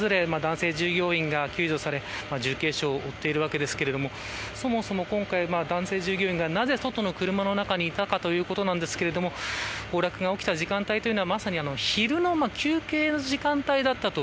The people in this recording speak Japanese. ２台の車からは、それぞれ男性従業員が救助され、重軽傷を負っているわけですけれどもそもそも男性従業員がなぜ外の車中にいたかということなんですけど崩落が起きた時間帯はまさに昼の休憩の時間帯だったと